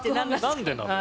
何でなの？